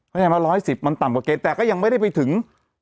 เข้าใจไหม๑๑๐มันต่ำกว่าเกณฑ์แต่ก็ยังไม่ได้ไปถึง